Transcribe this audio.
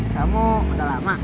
kamu udah lama